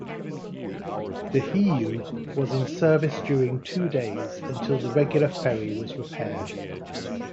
The "Hiyu" was in service during two days until the regular ferry was repaired.